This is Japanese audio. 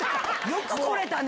よく来れたね！